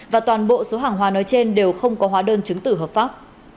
và toàn bộ số hàng hóa nói trên đều không có hóa đơn chứng tử hợp pháp